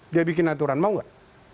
dia bikin aturan mau nggak